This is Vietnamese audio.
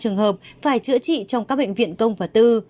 trường hợp phải chữa trị trong các bệnh viện công và tư